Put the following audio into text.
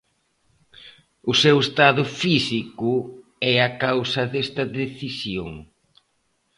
O seu estado físico é a causa desta decisión.